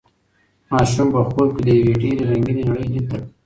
ماشوم په خوب کې د یوې ډېرې رنګینې نړۍ لید درلود.